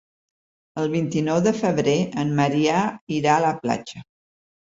El vint-i-nou de febrer en Maria irà a la platja.